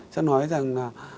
sẽ nói rằng là